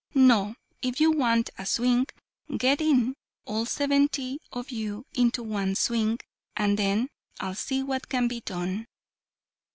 No! if you want a swing, get in, all seventy of you, into one swing, and then I'll see what can be done."